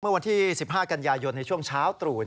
เมื่อวันที่๑๕กันยายนในช่วงเช้าตรู่